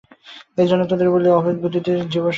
এইজন্য তোদের বলি, অভেদ-বুদ্ধিতে জীবসেবারূপ কর্ম কর।